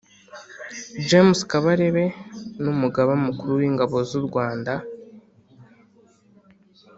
James kabarebe numugaba mukuru wingabo z’urwanda